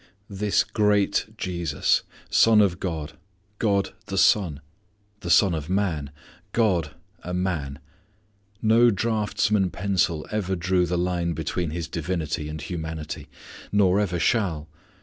This great Jesus! Son of God: God the Son. The Son of Man: God a man! No draughtsman's pencil ever drew the line between His divinity and humanity; nor ever shall.